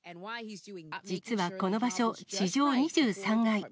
実はこの場所、地上２３階。